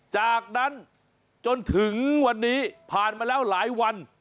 จากนั้นจนถึงวันนี้ผ่านมาแล้วหลายวัน